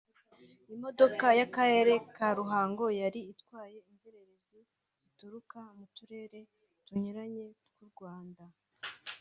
Imodoka y’Akarere ka Ruhango yari itwaye inzererezi zituruka mu turere tunyuranye tw’u Rwanda